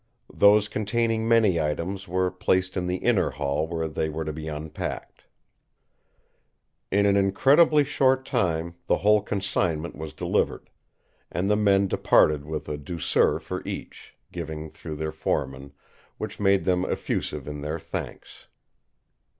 Those containing many items were placed in the inner hall where they were to be unpacked. In an incredibly short time the whole consignment was delivered; and the men departed with a douceur for each, given through their foreman, which made them effusive in their thanks.